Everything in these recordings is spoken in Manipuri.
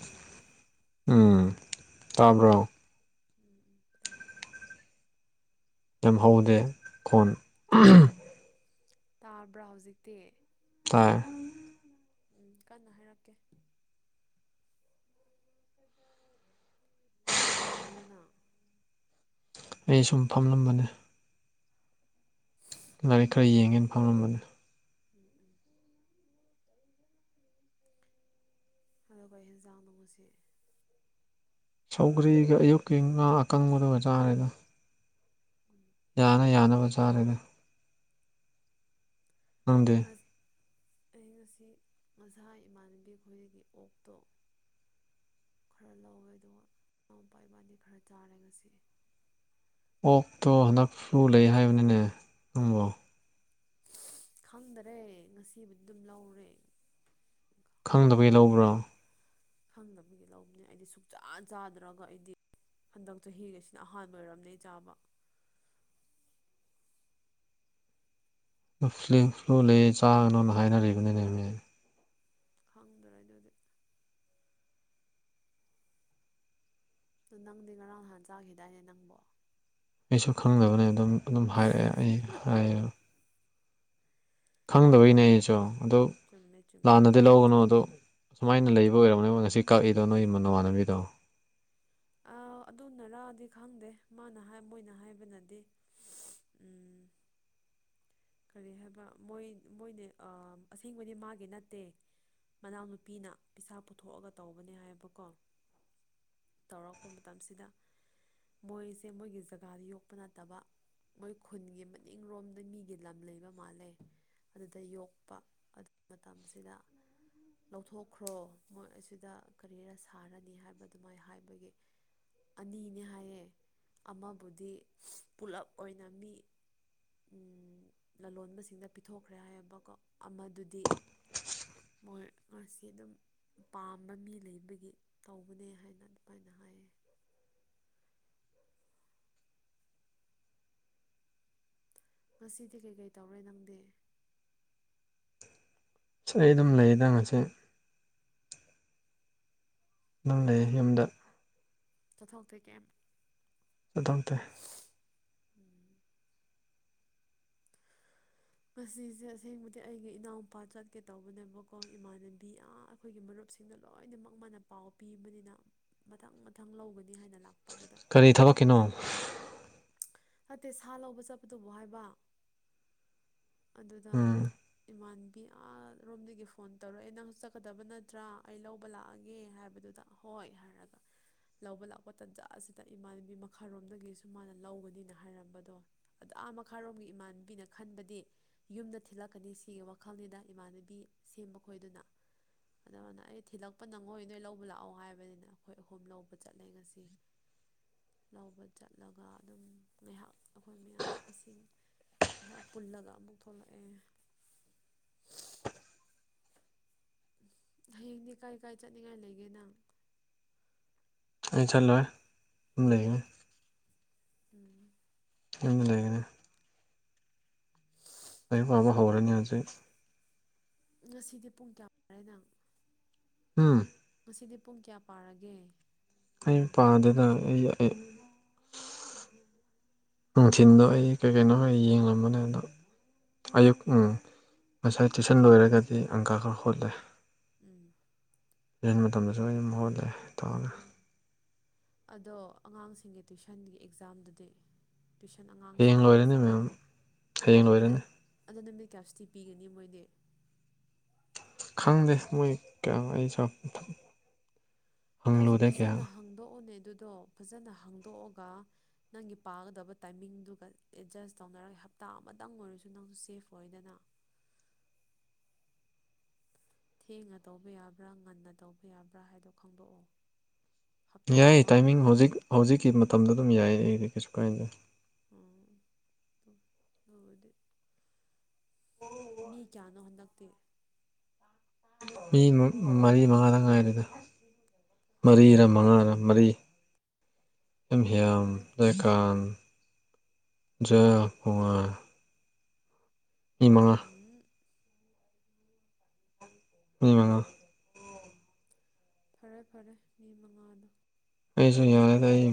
ꯍꯜꯂꯣ ꯎꯝ ꯇꯥꯕ꯭ꯔꯣ ꯎꯝ ꯎꯝ ꯇꯥꯔꯦ ꯇꯥꯔꯦ ꯌꯥꯝ ꯍꯧꯗꯦ ꯈꯣꯟ ꯎꯝ ꯇꯥꯕ꯭ꯔꯥ ꯍꯧꯖꯤꯛꯇꯤ ꯇꯥꯏ ꯎꯝ ꯀꯟꯅ ꯍꯥꯏꯔꯛꯀꯦ ꯀꯩꯗꯧꯔꯝꯃꯤꯅꫭ ꯅꯪ ꯑꯩ ꯁꯨꯝ ꯐꯝꯂꯝꯕꯅꯦ ꯂꯥꯏꯔꯤꯛ ꯈꯔ ꯌꯦꯡꯉꯦꯅ ꯐꯝꯂꯝꯝꯕꯅꯦ ꯎꯝ ꯎꯝ ꯑꯗꯨꯒ ꯍꯦꯟꯖꯥꯡꯗꫭ ꯉꯁꯤ ꯁꯧꯒ꯭ꯔꯤꯒ ꯑꯌꯨꯛꯀꯤ ꯉꯥ ꯑꯀꯪꯕꯗꯨꯒ ꯆꯥꯔꯦꯗ ꯎꯝ [unintelligible] ꯌꯥꯅ ꯌꯥꯅꯕ ꯆꯥꯔꯦꯗ ꯅꯪꯗꯤ ꯑꯩ ꯉꯁꯤ ꯉꯁꯥꯏ ꯏꯃꯥꯟꯅꯕꯤ ꯑꯩꯈꯣꯏꯗꯒꯤ ꯑꯣꯛꯇꯣ ꯈꯔ ꯂꯧꯔꯦ ꯑꯗꯨꯒ ꯏꯅꯥꯎꯄꯥ ꯏꯕꯥꯅꯤ ꯈꯔ ꯆꯥꯔꯦ ꯉꯁꯤ ꯑꯣꯛꯇꯣ ꯍꯟꯗꯛ ꯐꯂꯨ ꯂꯩ ꯍꯥꯏꯕꯅꯤꯅꯦ ꯅꯪꯕꯣ ꯈꯪꯗꯔꯦ ꯉꯁꯤꯕꯨꯗꯤ ꯑꯗꯨꯝ ꯂꯧꯔꯦ ꯈꯪꯗꯕꯩ ꯂꯧꯕ꯭ꯔꯣ ꯈꯪꯗꯕꯒꯤ ꯂꯧꯕꯅꯦ ꯑꯩꯗꯤ ꯁꯨꯛꯆꯥ ꯆꯥꯗ꯭ꯔꯒ ꯑꯩꯗꯤ ꯍꯟꯗꯛ ꯆꯍꯤꯒꯤꯁꯤꯅ ꯑꯍꯥꯟꯕ ꯑꯣꯏꯔꯝꯅꯦ ꯆꯥꯕ ꯐ꯭ꯂꯦꯡ ꯐ꯭ꯂꯨ ꯂꯩ ꯆꯥꯅꯣꯅ ꯍꯥꯏꯅꯔꯤꯕꯅꯤꯅꯦ ꯍꯧꯖꯤꯛ ꯈꯪꯗꯔꯦ ꯑꯗꯨꯗꯤ ꯑꯗꯨ ꯅꯪꯗꯤ ꯉꯔꯥꯡ ꯅꯍꯥꯟ ꯆꯥꯈꯤꯗꯥꯏꯅꯦ ꯅꯪꯕꯣ ꯑꯩꯁꯨ ꯈꯪꯗꯕꯅꯦ ꯑꯗꯨꯝ ꯑꯗꯨꯝ ꯍꯥꯏꯔꯛꯑꯦ ꯑꯩ ꯍꯥꯏꯌꯦ ꯈꯪꯗꯕꯩꯅꯦ ꯑꯩꯁꯨ ꯑꯗꯣ ꯆꯨꯝꯃꯦ ꯆꯨꯝꯃꯦ ꯑꯗꯨꯕꯨꯗꯤ ꯁꯨꯃꯥꯏꯅ ꯂꯩꯕ ꯑꯣꯏꯝꯒꯅꯤ ꯃꫭꯏ ꯉꯁꯤ ꯀꯛꯏꯗꯣ ꯅꯣꯏꯒꯤ ꯃ ꯅꯃꯥꯟꯅꯕꯤꯗꯣ ꯑ ꯑꯗꯨꯅꯔꯥꯗꯤ ꯈꯪꯗꯦ ꯃꯥꯅ ꯃꯣꯏꯅ ꯍꯥꯏꯕꯅꯗꯤ ꯎꯝ ꯀꯔꯤ ꯍꯥꯏꯕ ꯃꯣꯏ ꯃꯣꯏꯅꯦ ꯑ ꯑꯁꯦꯡꯕꯗꯤ ꯃꯥꯒꯤ ꯅꯠꯇꯦ ꯃꯅꯥꯎꯅꯨꯄꯤꯅ ꯄꯩꯁꯥ ꯄꯨꯊꯣꯛꯑꯒ ꯇꯧꯕꯅꯦ ꯍꯥꯏꯕꯀꯣ ꯇꯧꯔꯛꯄ ꯃꯇꯝꯁꯤꯗ ꯃꯣꯏꯁꯦ ꯃꯣꯏꯒꯤ ꯖꯒꯥꯗ ꯌꯣꯛꯄ ꯅꯠꯇꯕ ꯃꯣꯏ ꯈꯨꯟꯒꯤ ꯃꯅꯤꯡꯔꯣꯝꯗ ꯃꯤ ꯒꯤ ꯂꯝ ꯂꯩꯕ ꯃꯥꯜꯂꯦ ꯑꯗꯨꯗ ꯌꯣꯛꯄ ꯑꯗꯨ ꯃꯇꯝꯁꯤꯗ ꯂꯧꯊꯣꯛꯈ꯭ꯔꯣ ꯃꯣꯏ ꯑꯁꯤꯗ ꯀꯔꯤꯔ ꯁꯥꯔꯅꯤ ꯍꯥꯏꯕ ꯑꯗꯨꯃꯥꯏ ꯍꯥꯏꯕꯒꯤ ꯑꯅꯤꯅꯦ ꯍꯥꯏꯌꯦ ꯑꯃꯕꯨꯗꯤ ꯄꯨꯂꯞ ꯑꯣꯏꯅ ꯃꯤ ꯂꯂꯣꯟꯕꯁꯤꯡꯗ ꯄꯤꯊꯣꯛꯈ꯭ꯔꯦ ꯍꯥꯏꯌꯦꯕꯀꯣ ꯑꯃꯗꯨꯗꯤ ꯃꯣꯏ ꯉꯁꯤ ꯑꯗꯨꯝ ꯄꯥꯝꯕ ꯃꯤ ꯂꯩꯕꯒꯤ ꯇꯧꯕꯅꯦ ꯍꯥꯏꯅ ꯑꯗꯨꯃꯥꯏꯅ ꯍꯥꯏꯌꯦ ꯉꯁꯤꯗꯤ ꯀꯩꯀꯩ ꯇꯧꯔꯦ ꯅꯪꯗꯤ ꯑꯩ ꯑꯗꯨꯝ ꯂꯩꯌꯦꯗ ꯉꯁꯦ ꯅꯪ ꯂꯩꯌꯦ ꯌꯨꯝꯗ ꯆꯠꯊꯣꯛꯇꯣꯏ ꯀꯩ ꯆꯗꯝꯇ ꯎꯝ ꯉꯁꯤꯁꯦ ꯑꯁꯦꯡꯕꯗꯤ ꯑꯩꯒꯤ ꯏꯅꯥꯎꯄꯥ ꯆꯠꯀꯦ ꯇꯧꯕꯅꯦꯕꯀꯣ ꯏꯃꯥꯟꯅꯕꯤ ꯌꯥꯝ ꯑꯩꯈꯣꯏꯒꯤ ꯃꯔꯨꯞꯁꯤꯡꯅ ꯂꯣꯏꯅꯃꯛ ꯃꯥꯅ ꯄꯥꯎ ꯄꯤꯕꯅꯤꯅ ꯃꯊꯪ ꯃꯊꯪ ꯂꯧꯒꯅꯤ ꯍꯥꯏꯅ ꯂꯥꯛꯄ ꯑꯗꯨꯗ ꯀꯔꯤ ꯊꯕꯛꯀꯤꯅꯣ ꯅꯠꯇꯦ ꯁꯥ ꯂꯧꯕ ꯆꯠꯄꯗꯨꯕꯨ ꯍꯥꯏꯕ ꯑꯗꯨꯗ ꯎꯝ ꯏꯃꯥꯟꯕꯤꯔꯣꯝꯗꯒꯤ ꯐꯣꯟ ꯇꯧꯔꯛꯑꯦ ꯅꯪ ꯆꯠꯀꯗꯕ ꯅꯠꯇ꯭ꯔꯥ ꯑꯩ ꯂꯧꯕ ꯂꯥꯛꯑꯒꯦ ꯍꯥꯏꯕꯗꯨꯗ ꯍꯣꯏ ꯍꯥꯏꯔꯒ ꯂꯧꯕ ꯂꯥꯛꯄ ꯇꯟꯖꯥ ꯑꯁꯤꯗ ꯏꯃꯥꯟꯅꯕꯤ ꯃꯈꯥꯔꯣꯝꯗꯒꯤꯁꯨ ꯃꯥꯅ ꯂꯧꯒꯅꯤꯅ ꯍꯥꯏꯔꯝꯕꯗꯣ ꯑꯗ ꯑꯥ ꯃꯈꯥꯔꯣꯝꯒꯤ ꯏꯃꯥꯟꯅꯕꯤꯅ ꯈꯟꯕꯗꯤ ꯌꯨꯝꯗ ꯊꯤꯜꯂꯛꯀꯅꯤ ꯁꯤꯒꯤ ꯋꯥꯈꯜꯅꯤꯗ ꯏꯃꯥꯟꯅꯕꯤ ꯁꯦꯝꯕ ꯈꯣꯏꯗꯨꯅ ꯑꯗꯨꯃꯅ ꯑꯩ ꯊꯤꯜꯂꯛꯄ ꯅꯪꯉꯣꯏ ꯅꯣꯏ ꯂꯧꯕ ꯂꯥꯛꯑꯣ ꯍꯥꯏꯕꯅꯤꯅ ꯑꯩꯈꯣꯏ ꯑꯍꯨꯝ ꯂꯧꯕ ꯆꯠꯂꯦ ꯉꯁꯤ ꯂꯧꯕ ꯆꯠꯂꯒ ꯑꯗꯨꯝ ꯉꯥꯏꯍꯥꯛ ꯑꯩꯈꯣꯏ ꯃꯌꯥꯝ ꯏꯁꯤꯡ ꯑꯩꯍꯥꯛ ꯄꯨꯜꯂꯒ ꯑꯃꯨꯛ ꯊꯣꯛꯂꯛꯑꯦ ꯍꯌꯦꯡꯗꯤ ꯀꯥꯏ ꯀꯥꯏ ꯆꯠꯅꯤꯡꯉꯥꯏ ꯂꯩꯒꯦ ꯅꯪ ꯑ ꯆꯜꯂꯣ ꯊꯝ ꯂꯩꯦ ꯎꯝ ꯌꯥꯝꯃꯤ ꯂꯩꯒꯅꯦ [unintelligible] ꯑꯩꯥꯏ ꯋꯥꯕ ꯍꯧꯔꯅꯤ ꯍꯧꯁꯩ ꯉꯁꯤꯗꯤ ꯄꯨꯡ ꯀꯌꯥꯃꯦꯗꯪ ꯎꯝ ꯉꯁꯤꯗꯤ ꯄꯨꯡ ꯀꯌꯥ ꯄꯥꯔꯒꯦ ꯑꯩ ꯃꯄꯥꯗꯨꯅ ꯑꯩ ꯅꯨꯡꯊꯤꯤꯟꯗꯣ ꯑꯩ ꯀꯩ ꯀꯩꯅꯣ ꯌꯦꯡꯂꯕꯅꯦ ꯑꯗ ꯑꯌꯨꯛ ꯉꯁꯥꯏ ꯇꯨꯏꯁꯟ ꯂꯣꯏꯔꯒꯗꯤ ꯑꯪꯀ ꯈꯔ ꯍꯣꯠꯂꯦ ꯎꯝ ꯌꯦꯟ ꯃꯇꯝꯗꯁꯨ ꯑꯗꯨꯝ ꯃꯍ ꯍꯨꯠꯂꯦ ꯇꯥꯎꯅ ꯑꯗꯣ ꯑꯉꯥꯡꯁꯤꯡꯒꯤ ꯇꯨꯏꯁꯟꯒꯤ ꯑꯦꯛꯖꯥꯝꯗꯨꯗꯤ ꯇꯨꯏꯤꯁꯟ ꯍꯌꯦꯡ ꯑꯉꯥꯡꯁꯤꯡꯒꯤ ꯂꯣꯏꯔꯅꯤ ꯑꯦꯛꯖꯥꯝ ꯃꯦꯝ ꯍꯌꯦꯡ ꯑꯗ ꯂꯣꯏꯔꯅꯤ ꯑꯗꯣ ꯅꯨꯃꯤꯠ ꯀꯦꯞꯁꯤꯇꯗꯤ ꯄꯤꯒꯅꯤ ꯃꯣꯏꯗꯤ ꯈꯪꯗꯦ ꯃꯣꯏ ꯀꯌꯥ ꯑꯩꯁꯨ ꯅꯪꯁꯨ ꯍꯪꯂꯨꯗꯦ ꯐꯖꯅ ꯀꯌꯥ ꯍꯥꯡꯗꯣꯛꯎꯅꯦ ꯑꯗꯨꯗꯣ ꯐꯖꯅ ꯍꯥꯡꯗꯣꯛꯑꯒ ꯅꯪꯒꯤ ꯄꯥꯒꯗꯕ ꯇꯥꯏꯃꯤꯡꯗꯨꯒ ꯑꯦꯗꯖꯁ ꯇꯧꯅꯔꯒ ꯍꯞꯇꯥ ꯑꯃꯇꯪ ꯑꯣꯏꯔꯁꯨ ꯅꯪꯁꯨ ꯁꯦꯐ ꯑꯣꯏꯗꯅ ꯊꯦꯡꯅ ꯇꯧꯕ ꯌꯥꯕ꯭ꯔꯥ ꯉꯟꯅ ꯇꯧꯕ ꯌꯥꯕ꯭ꯔꯥ ꯍꯥꯏꯗꯣ ꯈꯪꯗꯣꯛꯑꯣ ꯍꯞꯇꯥ ꯌꯥꯏꯌꯦ ꯇꯥꯏꯃꯤꯡ ꯑꯃꯒꯨꯝꯕꯗꯤ ꯍꯧꯖꯤꯛ ꯍꯧꯖꯤꯛꯀꯤ ꯃꯇꯝꯗ ꯑꯗꯨꯝ ꯌꯥꯏꯌꯦ ꯑꯩ ꯀꯩꯁꯨ ꯀꯥꯏꯗꯦ ꯍꯗꯤ ꯃꯤ ꯀꯌꯥꯅꯣ ꯍꯟꯗꯛꯇꯦ ꯃꯤ ꯃꯔꯤ ꯃꯉꯥꯗꯪ ꯉꯥꯏꯔꯤꯗ ꯃꯔꯤꯔ ꯐꯔꯦ ꯃꯉꯥꯅ ꯃꯔꯤ ꯁ ꯐꯔꯦ ꯐꯔꯦ ꯍ ꯀꯥꯟ ꯆꯦꯄ ꯃꯤ ꯃꯉꯥ ꯎꯝ ꯍꯃꯉꯣ ꯐꯔꯦ ꯐꯔꯦ ꯃꯤ ꯃꯉꯥꯗꯣ ꯑꯩꯁꯨꯨꯏ ꯌꯥꯦ ꯇ ꯑꯩ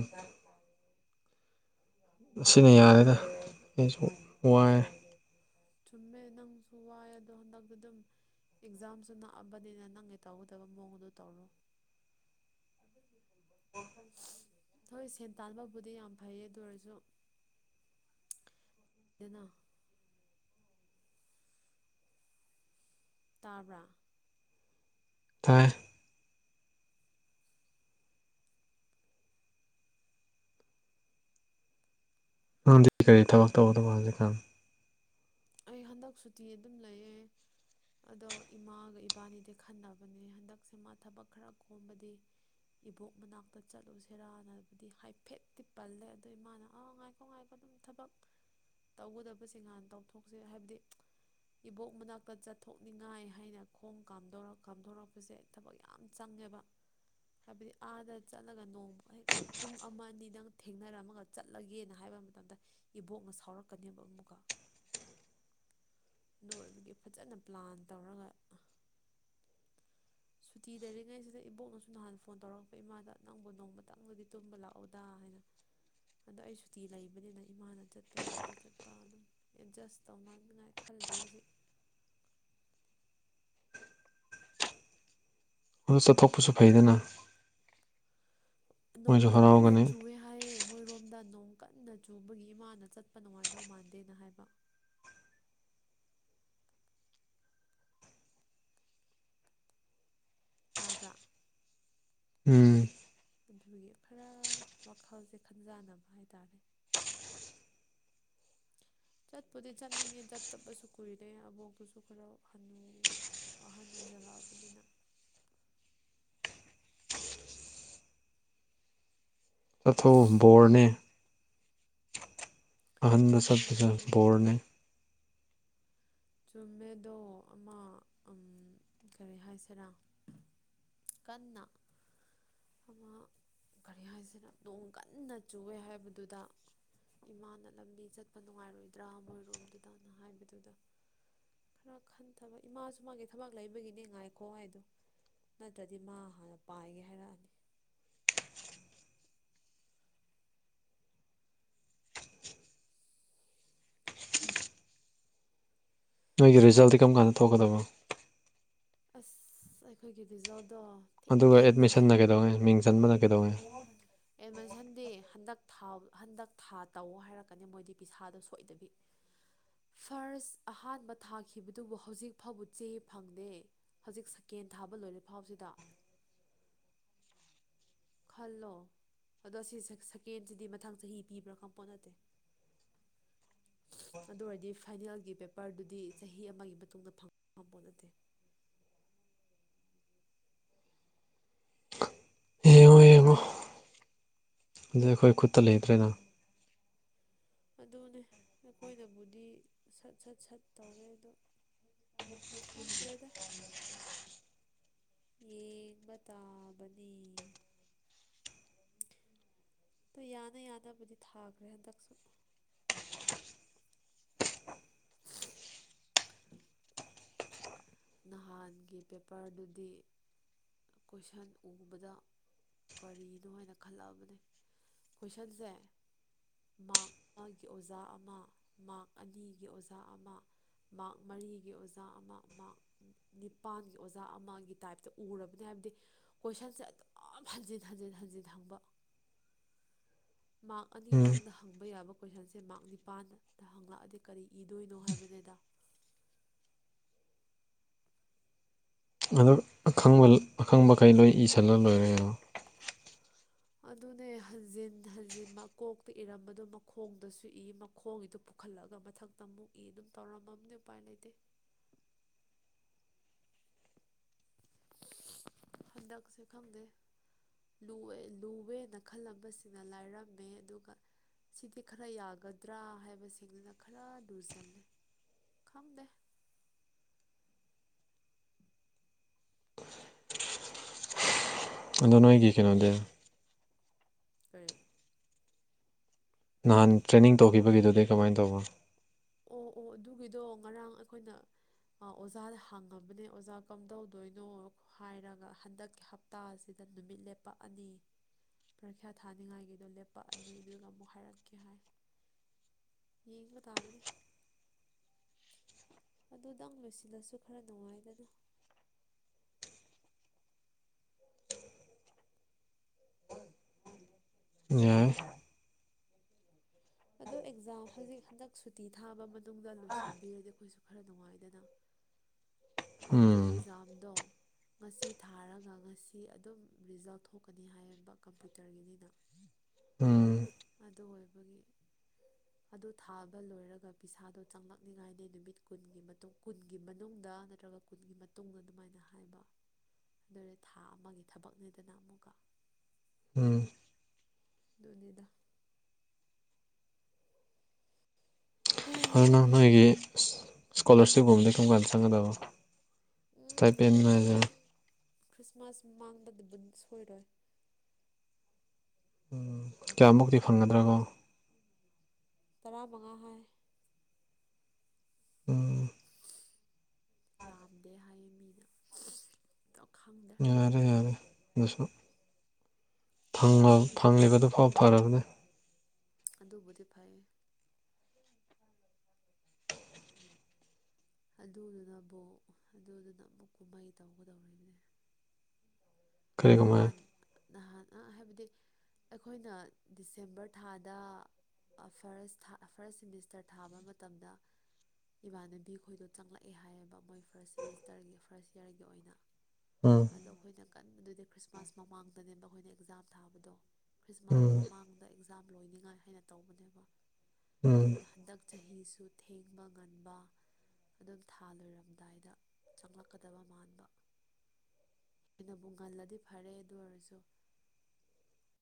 ꯑꯁꯤꯅ ꯌꯥꯔꯦꯗ ꯑꯩꯁꯨ ꯋꯥꯏꯔꯦ ꯆꯨꯝꯃꯦ ꯅꯪꯁꯨ ꯋꯥꯏ ꯑꯗꯣ ꯍꯟꯗꯛꯇ ꯑꯗꯨꯝ ꯑꯦꯛꯖꯥꯝꯁꯨ ꯅꯛꯑꯕꯅꯤꯅ ꯅꯪꯒꯤ ꯇꯧꯒꯗꯕ ꯃꯑꯣꯡꯗ ꯇꯧꯔꯣ ꯑꯣ ꯍꯣꯏ ꯁꯦꯟ ꯇꯥꯟꯕꯕꯨꯗꯤ ꯌꯥꯝ ꯐꯩꯌꯦ ꯑꯗꯨ ꯑꯣꯏꯔꯁꯨꯗꯅ ꯇꯥꯕ꯭ꯔꯥ ꯇꯥꯏ ꯅꯪꯗꯤ ꯀꯔꯤ ꯊꯕꯛ ꯇꯧꯒꯗꯕ ꯍꯧꯖꯤꯛꯀꯥꯟ ꯑꯩ ꯍꯟꯗꯛ ꯁꯨꯇꯤ ꯑꯗꯨꯝ ꯂꯩꯌꯦ ꯑꯗꯣ ꯏꯃꯥꯒ ꯏꯕꯥꯅꯤꯗꯤ ꯈꯟꯅꯕꯅꯦ ꯍꯟꯗꯛꯁꯦ ꯃꯥ ꯊꯕꯛ ꯈꯔ ꯀꯣꯝꯕꯗꯤ ꯏꯕꯣꯛ ꯃꯅꯥꯛꯇ ꯆꯠꯂꯨꯁꯦꯔꯥꯅꯕꯨꯗꯤ ꯍꯥꯏꯐꯦꯠꯇꯤ ꯄꯜꯂꯦ ꯑꯗꯣ ꯏꯃꯥꯅ ꯑꯉꯥꯏꯀꯣ ꯉꯥꯏꯒꯣ ꯑꯗꯨꯝ ꯊꯕꯛ ꯇꯧꯒꯗꯕꯁꯤꯡ ꯍꯥꯟꯅ ꯇꯧꯊꯣꯛꯁꯦ ꯍꯥꯏꯕꯗꯤ ꯏꯕꯣꯛ ꯃꯅꯥꯛꯇ ꯆꯠꯊꯣꯛꯅꯤꯡꯉꯥꯏ ꯍꯥꯏꯅ ꯈꯣꯡ ꯀꯥꯝꯗꯣꯔꯛ ꯀꯥꯝꯗꯣꯔꯛꯄꯁꯦ ꯊꯕꯛ ꯌꯥꯝ ꯆꯪꯉꯦꯕ ꯍꯥꯏꯕꯗꯤ ꯑꯥꯗ ꯆꯠꯂꯒ ꯅꯣꯡꯃ ꯍꯦꯛ ꯄꯨꯡ ꯑꯃ ꯑꯅꯤ ꯅꯪ ꯊꯦꯡꯅꯔꯝꯃꯒ ꯆꯠꯂꯒꯦꯅ ꯍꯥꯏꯕ ꯃꯇꯝꯗ ꯏꯕꯣꯛꯅ ꯁꯥꯎꯔꯛꯀꯅꯦꯕ ꯑꯃꯨꯛꯀ ꯅꯣꯏꯕꯒꯤ ꯐꯖꯅ ꯄ꯭ꯂꯥꯟ ꯇꯧꯔꯒ ꯁꯨꯇꯤ ꯂꯩꯔꯤꯉꯩꯁꯤꯗ ꯏꯕꯣꯛꯅꯁꯨ ꯅꯍꯥꯟ ꯐꯣꯟ ꯇꯧꯔꯛꯄ ꯏꯃꯥꯗ ꯅꯪꯕꯨ ꯅꯣꯡꯃ ꯇꯪꯕꯗꯤ ꯇꯨꯝꯕ ꯂꯥꯛꯑꯣꯗ ꯍꯥꯏꯅ ꯑꯗꯣ ꯑꯩ ꯁꯨꯇꯤ ꯂꯩꯕꯅꯤꯅ ꯏꯃꯥꯅ ꯆꯠꯄ ꯌꯥꯔꯗꯤ ꯆꯠꯄ ꯑꯗꯨꯝ ꯑꯦꯗꯖꯁ ꯇꯧꯅꯅꯉꯥꯏ ꯈꯗꯤ ꯍꯧꯖꯤꯛ ꯑꯗꯨ ꯆꯠꯊꯣꯛꯄꯁꯨ ꯐꯩꯗꯅ ꯅꯣꯡ ꯃꯣꯏꯁꯨ ꯀ ꯍꯔꯥꯎꯒꯅꯤ ꯅꯆꯨꯋꯦ ꯍꯥꯏꯌꯦ ꯃꯣꯏꯔꯣꯝꯗ ꯅꯣꯡ ꯀꯟꯅ ꯆꯨꯕꯒꯤ ꯏꯃꯥꯅ ꯆꯠꯄ ꯅꯨꯡꯉꯥꯏꯗꯧ ꯃꯥꯟꯗꯦꯅ ꯍꯥꯏꯕ ꯇꯥꯕ꯭ꯔꯥ ꯎꯝ ꯑꯗꯨꯒꯤ ꯈꯔ ꯋꯥꯈꯜꯁꯦ ꯈꯟꯖꯥꯟꯅꯕ ꯍꯥꯏꯇꯥꯔꯦ ꯆꯠꯄꯨꯗꯤ ꯆꯠꯅꯤꯡꯉꯦ ꯆꯠꯇꯕꯁꯨ ꯀꯨꯏꯔꯦ ꯑꯕꯣꯛꯇꯨꯁꯨ ꯈꯔ ꯍꯅꯨ ꯑꯍꯟ ꯑꯣꯏꯁꯤꯜꯂꯛꯑꯕꯅꯤꯅ ꯑꯊꯨ ꯕꯣꯔꯅꯦ ꯑꯍꯟꯅ ꯁꯠꯄꯗꯨ ꯆꯨꯝꯃꯦ ꯕꯣꯔꯅꯦ ꯆꯨꯝꯃꯦꯗꯣ ꯑꯃꯥ ꯑꯝ ꯀꯔꯤ ꯍꯥꯏꯁꯤꯔꯥ ꯀꯟꯅꯥ ꯑꯃ ꯀꯔꯤ ꯍꯥꯏꯁꯤꯔ ꯅꯣꯡ ꯀꯟꯅ ꯆꯨꯑꯦ ꯍꯥꯏꯕꯗꯨꯗ ꯏꯃꯥꯅ ꯂꯝꯕꯤ ꯆꯠꯄ ꯅꯨꯡꯉꯥꯏꯔꯣꯏꯗ꯭ꯔꯥ ꯃꯣꯏꯔꯣꯝꯗꯨꯗꯅ ꯍꯥꯏꯕꯗꯨꯗ ꯈꯔ ꯈꯟꯊꯕ ꯏꯃꯥꯁꯨ ꯃꯥꯒꯤ ꯊꯕꯛ ꯂꯩꯕꯒꯤꯅꯦ ꯉꯥꯏꯈꯣ ꯍꯥꯢꯗꯨ ꯅꯠꯇ꯭ꯔꯗꯤ ꯃꯥ ꯍꯥꯟꯅ ꯄꯥꯏꯒꯦ ꯍꯥꯏꯔꯛꯑꯅꯤ ꯅꯣꯏꯒꯤ ꯔꯤꯖꯜꯗꯤ ꯀꯔꯝ ꯀꯥꯟꯗ ꯊꯣꯛꯣꯛꯀꯗꯕꯣ ꯑꯁ ꯑꯩꯈꯣꯏꯒꯤ ꯔꯤꯖꯜꯗꯣ ꯑꯗꯨꯒ ꯊꯦꯡꯒꯅꯤ ꯑꯦꯠꯃꯤꯁꯟꯅ ꯀꯩꯗꯧꯉꯩ ꯃꯤꯡ ꯆꯟꯕꯅ ꯀꯩꯗꯧꯉꯩ ꯑꯦꯠꯃꯤꯁꯟꯗꯤ ꯍꯟꯗꯛ ꯊꯥꯎ ꯍꯟꯗꯛ ꯊꯥ ꯇꯧꯑꯣ ꯍꯥꯏꯔꯛꯀꯅꯤ ꯃꯣꯏꯗꯤ ꯄꯤꯁꯥꯗꯣ ꯁꯣꯏꯗꯕꯤ ꯐꯥꯔꯁ ꯑꯍꯥꯟꯕ ꯊꯥꯈꯤꯕꯗꯨꯕꯨ ꯍꯧꯖꯤꯛ ꯐꯥꯎꯕ ꯆꯦ ꯐꯪꯗꯦ ꯍꯧꯖꯤꯛ ꯁꯦꯀꯦꯟ ꯊꯥꯕ ꯂꯣꯏꯔꯐꯥꯎꯁꯤꯗ ꯈꯜꯂꯣ ꯑꯗꯣ ꯑꯁꯤ ꯁꯦꯛ ꯁꯦꯀꯦꯟꯁꯤꯗꯤ ꯃꯊꯪ ꯆꯍꯤ ꯄꯤꯕ꯭ꯔꯥ ꯈꯝꯄꯣꯠ ꯅꯠꯇꯦ [inaudible] ꯑꯗꯨ ꯑꯣꯏꯔꯗꯤ ꯐꯥꯏꯅꯦꯜꯒꯤ ꯄꯦꯄꯔꯗꯨꯗꯤ ꯆꯍꯤ ꯑꯃꯒꯤ ꯃꯇꯨꯡꯗ ꯐꯪꯕ ꯉꯝꯕ ꯄꯣꯠ ꯅꯠꯇꯦ ꯌꯦꯡꯉꯣ ꯑꯗꯨꯗꯤ ꯑꯩꯈꯣꯏ ꯈꯨꯠꯇ ꯂꯩꯇ꯭ꯔꯦꯅ ꯑꯗꯨꯅꯤ ꯑꯩꯈꯣꯏꯅꯕꯨꯗꯤ ꯁꯠ ꯁꯠ ꯁꯠ ꯇꯧꯋꯦ ꯑꯗꯣ ꯈꯪꯗ꯭ꯔꯦꯗ ꯌꯦꯡꯕ ꯇꯥꯕꯅꯤ ꯑꯗꯨ ꯌꯥꯅ ꯌꯥꯅꯕꯗꯤ ꯊꯥꯈ꯭ꯔꯦ ꯍꯟꯗꯛꯁꯨ ꯅꯍꯥꯟꯒꯤ ꯄꯦꯄꯔꯗꯨꯗꯤ ꯀꯣꯏꯁꯟ ꯎꯕꯗ ꯀꯔꯤꯅꯣ ꯍꯥꯏꯅ ꯈꯜꯂꯛꯑꯕꯅꯦ ꯀꯣꯏꯁꯟꯁꯦ ꯃꯥꯛ ꯑꯃꯒꯤ ꯑꯣꯖꯥ ꯑꯃꯥ ꯃꯥꯛ ꯑꯅꯤꯒꯤ ꯑꯣꯖꯥ ꯑꯃꯥ ꯃꯥꯛ ꯃꯔꯤꯒꯤ ꯑꯣꯖꯥ ꯑꯃꯥ ꯃꯥꯛ ꯅꯤꯄꯥꯟꯒꯤ ꯑꯣꯖꯥ ꯑꯃꯥꯒꯤ ꯇꯥꯏꯞꯇ ꯎꯔꯕꯅꯦ ꯍꯥꯏꯕꯗꯤ ꯀꯣꯏꯁꯟꯁꯦ ꯑꯗꯨꯝ ꯍꯟꯖꯤꯟ ꯍꯟꯖꯤꯟ ꯍꯟꯖꯤꯟ ꯍꯪꯕ ꯃꯥꯛ ꯎꯝ ꯑꯅꯤꯗꯪꯗ ꯍꯪꯕ ꯌꯥꯕ ꯀꯣꯏꯁꯟꯁꯦ ꯃꯥꯔꯛ ꯅꯤꯄꯥꯟꯗ ꯍꯪꯉꯛꯑꯗꯤ ꯀꯔꯤ ꯏꯗꯣꯏꯅꯣ ꯍꯥꯏꯕꯅꯤꯗ ꯑꯗꯣ ꯑꯈꯪꯕ ꯑꯈꯪꯕꯒꯩ ꯂꯣꯏ ꯏꯁꯜꯂ ꯂꯣꯏꯔꯦ ꯀꯩꯅꯣ ꯑꯗꯨꯅꯦ ꯍꯟꯖꯤꯟ ꯍꯟꯖꯤꯟ ꯃꯀꯣꯛꯇ ꯏꯔꯝꯕꯗꯨ ꯃꯈꯣꯡꯗꯁꯨ ꯏ ꯃꯈꯣꯡꯒꯤꯗꯨ ꯄꯨ ꯄꯨꯈꯠꯂꯒꯥ ꯃꯊꯛꯇꯥ ꯑꯃꯨꯛ ꯏ ꯑꯗꯨꯝ ꯇꯧꯔꯝꯃꯕꯅꯤ ꯎꯄꯥꯏ ꯂꯩꯇꯦ ꯍꯟꯗꯛꯁꯦ ꯈꯪꯗꯦ ꯂꯨꯋꯦ ꯂꯨꯋꯦꯅ ꯈꯜꯂꯝꯕꯁꯤꯡꯅ ꯂꯥꯏꯔꯝꯃꯦ ꯑꯗꯨꯒ ꯁꯤꯗꯤ ꯈꯔ ꯌꯥꯒꯗ꯭ꯔꯥ ꯍꯥꯏꯕꯁꯤꯡꯗꯨꯅ ꯈꯔ ꯂꯨꯁꯜꯂꯦ ꯈꯪꯗꯦ ꯑꯗꯨ ꯅꯣꯏꯒꯤ ꯀꯩꯅꯣꯗꯤ ꯀꯔꯤ ꯅꯍꯥꯟ ꯇ꯭ꯔꯦꯅꯤꯡ ꯇꯧꯈꯤꯕꯒꯤꯗꯨꯗꯤ ꯀꯃꯥꯏꯅ ꯇꯧꯕ ꯑꯣ ꯑꯣ ꯑꯗꯨꯒꯤꯗꯣ ꯉꯔꯥꯡ ꯑꯈꯣꯏꯅ ꯑꯥ ꯑꯣꯖꯥꯗ ꯍꯪꯉꯕꯅꯦ ꯑꯣꯖꯥ ꯀꯝꯗꯧꯗꯣꯏꯅꯣ ꯍꯥꯏꯔꯒ ꯍꯟꯗꯛ ꯍꯞꯇꯥ ꯁꯤꯗ ꯅꯨꯃꯤꯠ ꯂꯦꯞꯄꯛꯑꯅꯤ ꯄꯔꯤꯈ꯭ꯌꯥ ꯊꯥꯅꯤꯡꯉꯥꯏꯒꯤꯗꯣ ꯂꯦꯞꯄꯛꯑꯅꯤ ꯑꯗꯨꯒ ꯑꯃꯨꯛ ꯍꯥꯏꯔꯛꯀꯦ ꯍꯥꯏ ꯌꯦꯡꯕ ꯇꯥꯕꯅꯤ ꯑꯗꯨꯗꯪ ꯂꯣꯏꯁꯤꯜꯂꯁꯨ ꯈꯔ ꯅꯨꯡꯉꯥꯏꯗꯅ ꯌꯥꯏ ꯑꯗꯣ ꯑꯦꯛꯖꯥꯝ ꯍꯧꯖꯤꯛ ꯍꯟꯗꯛ ꯁꯨꯇꯤ ꯊꯥꯕ ꯃꯅꯨꯡꯗ ꯂꯣꯏꯁꯤꯟꯕꯤꯔꯗꯤ ꯑꯩꯈꯣꯏꯁꯨ ꯈꯔ ꯅꯨꯡꯉꯥꯏꯗꯅ ꯍꯥꯏꯕꯗꯤ ꯎꯝ ꯑꯦꯛꯖꯥꯝꯗꯣ ꯉꯁꯤ ꯊꯥꯔꯒ ꯉꯁꯤ ꯑꯗꯨꯝ ꯔꯤꯖꯜ ꯊꯣꯛꯀꯅꯤ ꯍꯥꯏꯌꯦꯕ ꯀꯝꯄꯌꯨꯇ꯭ꯔꯒꯤꯅꯤꯅ ꯎꯝ ꯑꯗꯨ ꯑꯣꯏꯕꯒꯤ ꯑꯗꯨ ꯊꯥꯕ ꯂꯣꯏꯔꯒ ꯄꯩꯁꯥꯗꯣ ꯆꯪꯂꯛꯅꯤꯡꯉꯥꯏꯗꯤ ꯅꯨꯃꯤꯠ ꯀꯨꯟꯒꯤ ꯃꯇꯨꯡ ꯀꯨꯟꯒꯤ ꯃꯅꯨꯡꯗ ꯅꯠ ꯅꯠꯇ꯭ꯔꯒ ꯀꯨꯟꯒꯤ ꯃꯇꯨꯡ ꯑꯗꯨꯃꯥꯏꯅ ꯍꯥꯏꯕ ꯑꯗꯨ ꯊꯥ ꯑꯃꯒꯤ ꯊꯕꯛꯅꯤꯗꯅ ꯑꯃꯨꯛꯀ ꯎꯝ ꯑꯗꯨꯅꯤꯗ ꯑꯗꯨ ꯅꯪ ꯍꯩꯍꯥ ꯅꯣꯏꯒꯤ ꯏꯁꯀꯣꯂꯥꯔꯁꯤꯞꯀꯨꯝꯕ ꯀꯔꯝ ꯀꯥꯟꯗ ꯆꯪꯒꯗꯕ ꯎꯝ ꯏꯁꯇꯥꯏꯄꯦꯟ ꯑꯗꯨꯗꯤ ꯍꯥꯏꯁꯦ ꯈ꯭ꯔꯤꯁꯃꯥꯁ ꯃꯃꯥꯡꯗꯕꯨꯗꯤ ꯁꯣꯏꯔꯣꯏ ꯎꯝ ꯀꯌꯥꯃꯨꯛꯇꯤ ꯐꯪꯒꯗ꯭ꯔ ꯒꯣ ꯇꯔꯥꯃꯉꯥ ꯍꯥꯏ ꯎꯝ ꯌꯥꯝꯗꯦ ꯍꯥꯏꯌꯦ ꯃꯤꯅ ꯗꯣ ꯈꯪꯗꯦ ꯎꯝ ꯌꯥꯔꯦ ꯑꯗꯨꯁꯨ ꯐꯪꯂꯤ ꯐꯪꯂꯤꯕꯗꯨꯐꯥꯎ ꯐꯔꯕꯅꯤ ꯑꯗꯨꯕꯨꯗꯤ ꯐꯩ ꯑꯗꯨꯗꯨꯅꯕꯨ ꯑꯗꯨꯗꯨꯅ ꯑꯃꯨꯛ ꯀꯨꯝꯍꯩ ꯇꯧꯒꯗꯧꯔꯤꯕꯅꯦ ꯀꯔꯤ ꯀꯃꯥꯏ ꯅꯍꯥꯟ ꯅꯍꯥꯟ ꯑ ꯍꯥꯏꯕꯗꯤ ꯑꯩꯈꯣꯏꯅ ꯗꯤꯁꯦꯝꯕꯔ ꯊꯥꯗ ꯑ ꯐꯔꯁ ꯑ ꯐꯥꯔꯁ ꯁꯦꯃꯤꯁꯇꯔ ꯊꯥꯕ ꯃꯇꯝꯗ ꯏꯕꯥꯅꯕꯤ ꯈꯣꯏꯗꯣ ꯆꯪꯂꯛꯑꯦ ꯍꯥꯏꯌꯦꯕ ꯃꯣꯏ ꯐꯥꯔꯁ ꯁꯦꯃꯤꯁꯇꯔꯒꯤ ꯐꯥꯔꯁ ꯌꯥꯔꯒꯤ ꯑꯣꯏꯅ ꯎꯝ ꯑꯗꯣ ꯑꯩꯈꯣꯏꯅ ꯀꯟꯕꯗꯨꯗꯤ ꯈ꯭ꯔꯤꯁꯃꯥꯁ ꯃꯃꯥꯡꯗꯅꯦꯕ ꯑꯩꯈꯣꯏꯅ ꯑꯦꯛꯖꯥꯝ ꯊꯥꯕꯗꯣ ꯈ꯭ꯔꯤꯁꯃꯥꯁ ꯎꯝ ꯃꯃꯥꯡꯗ ꯑꯦꯛꯖꯥꯝ ꯂꯣꯏꯅꯤꯉꯥꯏ ꯍꯥꯏꯅ ꯇꯧꯕꯅꯦꯕ ꯑꯗꯨ ꯎꯝ ꯑꯣꯏꯔꯗꯤ ꯍꯟꯗꯛ ꯆꯍꯤꯁꯨ ꯊꯦꯡꯕ ꯉꯟꯕ ꯑꯗꯨꯝ ꯊꯥ ꯂꯣꯏꯔꯝꯗꯥꯏꯗ ꯆꯪꯂꯛꯀꯗꯕ ꯃꯥꯟꯕ ꯉꯟꯕꯨ ꯉꯜꯂꯗꯤ ꯐꯔꯦ ꯑꯗꯨ ꯑꯣꯏꯔꯁꯨ